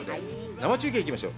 生中継行きましょう。